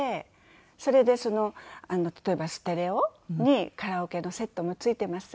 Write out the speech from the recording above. それで例えば「ステレオにカラオケのセットも付いています」。